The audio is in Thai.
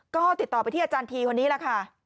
ก็ติดต่อไปที่อาจารย์ทีคนนี้แหละค่ะ